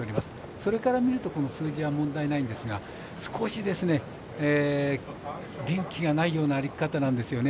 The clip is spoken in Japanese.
そう見ると問題ないんですが少し元気がないような歩き方なんですよね。